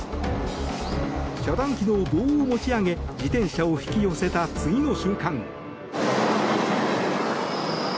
遮断機の棒を持ち上げ自転車を引き寄せた次の瞬間。